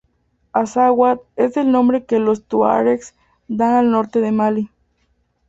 Azawad es el nombre que los tuaregs dan al norte de Malí.